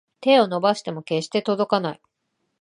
手を伸ばしても決して届かない